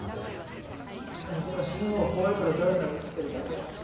でもただ死ぬのが怖いからだらだら生きてるだけ。